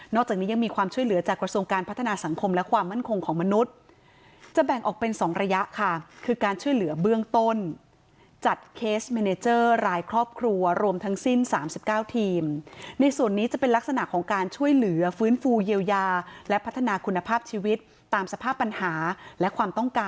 จากนี้ยังมีความช่วยเหลือจากกระทรวงการพัฒนาสังคมและความมั่นคงของมนุษย์จะแบ่งออกเป็น๒ระยะค่ะคือการช่วยเหลือเบื้องต้นจัดเคสเมเนเจอร์รายครอบครัวรวมทั้งสิ้น๓๙ทีมในส่วนนี้จะเป็นลักษณะของการช่วยเหลือฟื้นฟูเยียวยาและพัฒนาคุณภาพชีวิตตามสภาพปัญหาและความต้องการ